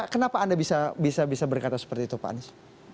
kenapa anda bisa berkata seperti itu pak anies